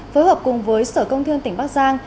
phối hợp cùng với sở công thương tỉnh bắc giang